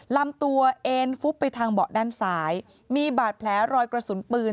ลำตัวเอ็นฟุบไปทางเบาะด้านซ้ายมีบาดแผลรอยกระสุนปืน